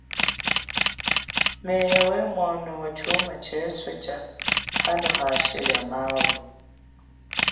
Meya wemono watshuma tsheswe tsha hano hashi lia mavu.